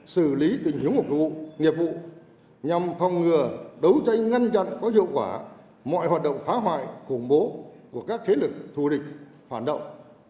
xử lý tình huống phục vụ nghiệp vụ nhằm phòng ngừa đấu tranh ngăn chặn có hiệu quả mọi hoạt động phá hoại khủng bố của các thế lực thù địch phản động